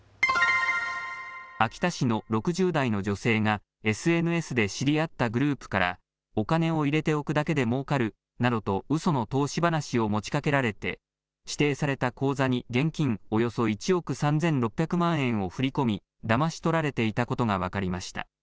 秋田市の６０代の女性がＳＮＳで知り合ったグループからお金を入れておくだけでもうかるなどとうその投資話を持ちかけられて指定された口座に現金およそ１億３６００万円を振り込み、だまし取られていたことが分かりました。